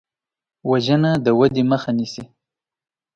وژنه د ودې مخه نیسي